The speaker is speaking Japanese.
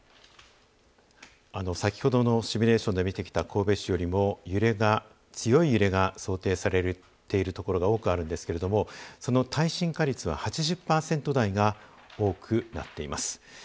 先ほどのシミュレーションで見てきた神戸市よりも強い揺れが想定されているところが多くあるんですけれどもその耐震化率は８０％台が多くなっています。